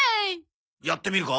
やってみるか？